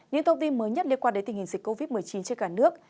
những thông tin mới nhất liên quan đến tình hình dịch covid một mươi chín trên cả nước